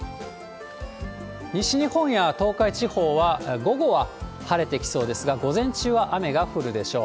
西日本や東海地方は、午後は晴れてきそうですが、午前中は雨が降るでしょう。